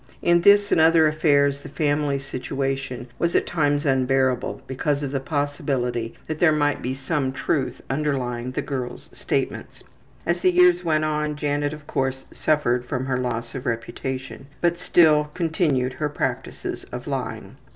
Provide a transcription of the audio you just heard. In this and other affairs the family situation was at times unbearable because of the possibility that there might be some truth underlying the girl's statements. As the years went on Janet, of course, suffered from her loss of reputation, but still continued her practices of lying.